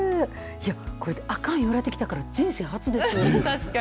これあかんと言われてきたから人生初です。